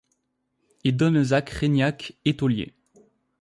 Et Donnezac, Reignac, Etauliers.